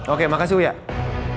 oke makasih woyak